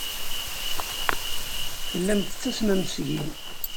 Tellam tettasmem seg-i.